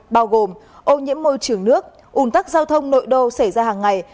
bao gồm ô nhiễm môi trường nước ủn tắc giao thông nội đô xảy ra hàng ngày